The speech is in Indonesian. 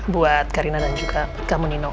buat karina dan juga kamu nino